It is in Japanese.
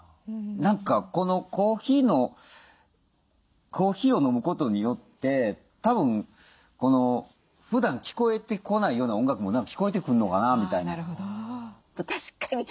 何かこのコーヒーのコーヒーを飲むことによってたぶんふだん聞こえてこないような音楽も何か聞こえてくんのかなみたいな。